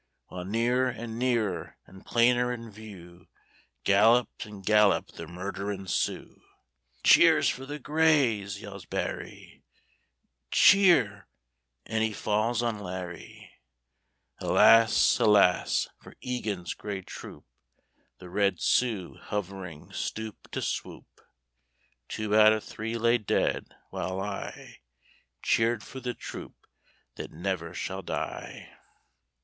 While nearer an' nearer an' plainer in view, Galloped an' galloped the murderin' Sioux. "Cheers for the Greys!" yells Barry; "Cheer " an' he falls on Larry. Alas! alas! for Egan's Grey Troop! The Red Sioux, hovering stoop to swoop; Two out of three lay dead, while I Cheered for the troop that never shall die.